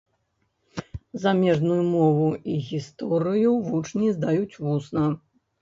Замежную мову і гісторыю вучні здаюць вусна.